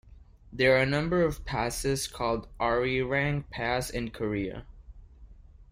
There are a number of passes called "Arirang Pass" in Korea.